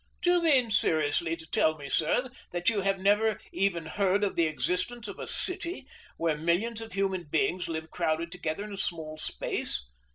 "Do you mean seriously to tell me, sir, that you have never even heard of the existence of a city, where millions of human beings live crowded together in a small space?